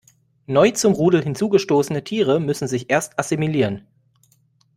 Neu zum Rudel hinzugestoßene Tiere müssen sich erst assimilieren.